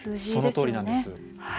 そのとおりなんです。